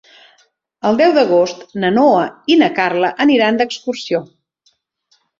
El deu d'agost na Noa i na Carla aniran d'excursió.